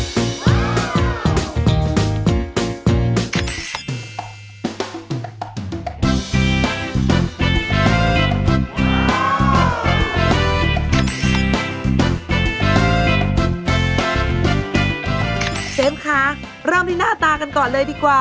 เชฟคะเริ่มที่หน้าตากันก่อนเลยดีกว่า